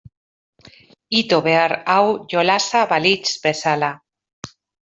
Ito behar hau jolasa balitz bezala.